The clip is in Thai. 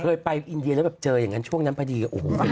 เคยไปอินเดียแล้วเจออย่างนั้นช่วงนั้นพอดี